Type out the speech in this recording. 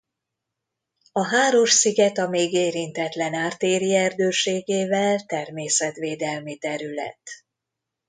A Háros-sziget a még érintetlen ártéri erdőségével természetvédelmi terület.